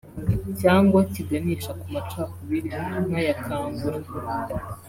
cyangwa kiganisha ku macakubiri nk’aya Kangura